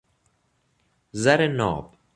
زر ناب